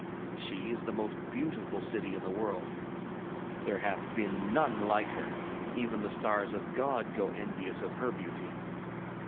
She is the most beautiful city in the world; there hath been none like her, even the stars of God go envious of her beauty.